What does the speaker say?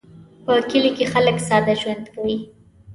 په کلي کې خلک ساده ژوند کوي